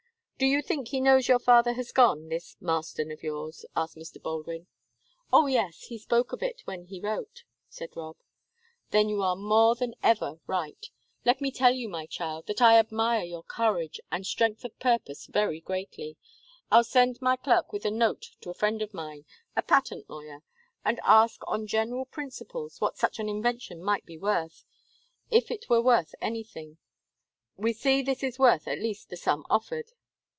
Do you think he knows your father has gone, this Marston of yours?" asked Mr. Baldwin. "Oh, yes; he spoke of it when he wrote," said Rob. "Then you are more than ever right. Let me tell you, my child, that I admire your courage and strength of purpose very greatly. I'll send my clerk with a note to a friend of mine a patent lawyer and ask on general principles what such an invention might be worth, if it were worth anything we see this is worth at least the sum offered.